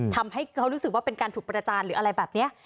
ทำให้เขารู้สึกว่าเป็นการถูกประจานหรืออะไรแบบนี้